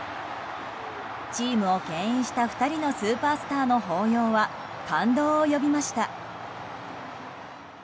チームを牽引した２人のスーパースターの抱擁は感動を呼びました。